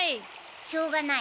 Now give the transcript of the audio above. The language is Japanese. しょうがない。